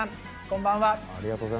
こんばんは。